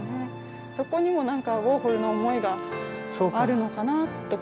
そこにもなんかウォーホルの思いがあるのかなとか。